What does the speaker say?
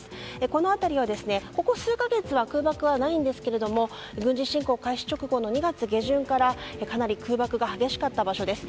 この辺りは、ここ数か月は空爆はないんですが軍事侵攻開始直後の２月下旬からかなり空爆が激しかった場所です。